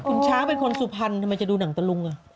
คุณช้างเป็นคนสุพรรณทำไมจะดูหนังตะลุง